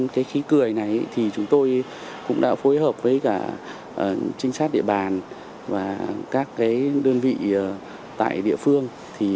khi cười này thì chúng tôi cũng đã phối hợp với cả trinh sát địa bàn và các đơn vị tại địa phương